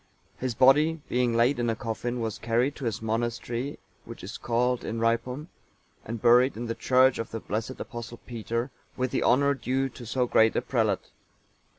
(890) His body, being laid in a coffin, was carried to his monastery, which is called Inhrypum,(891) and buried in the church of the blessed Apostle Peter, with the honour due to so great a prelate.